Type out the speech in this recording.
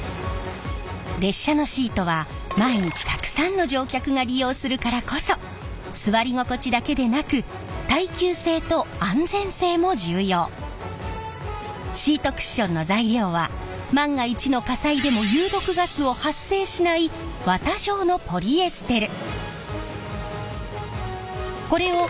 列車のシートは毎日たくさんの乗客が利用するからこそシートクッションの材料は万が一の火災でも有毒ガスを発生しない綿状のポリエステル。